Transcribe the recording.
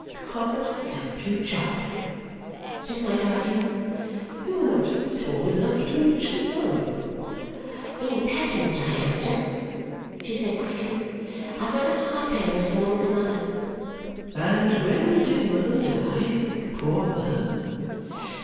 "God help you, Charley!" said my guardian. "You're not tall enough to reach the tub!" "In pattens I am, sir," she said quickly. "I've got a high pair as belonged to mother." "And when did mother die? Poor mother!"